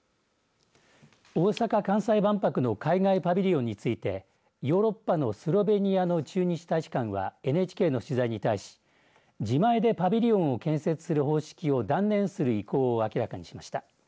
大阪・関西万博の海外パビリオンについてヨーロッパのスロベニアの駐日大使館はＮＨＫの取材に対し自前でパビリオンを建設する方式を断念する意向を明らかにしました。